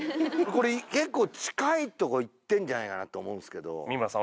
これ結構近いとこいってんじゃないかなと思うんですけど三村さん